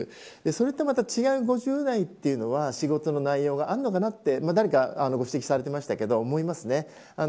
それとは違う、５０代というのは仕事の内容があるのかなって誰かご指摘されましたけど思いますね。